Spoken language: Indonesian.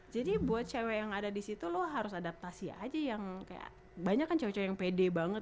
jadi buat cewek yang ada disitu lo harus adaptasi aja yang kayak banyak kan cewek cewek yang pede banget